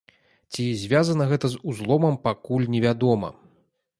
Ці звязана гэта з узломам, пакуль невядома.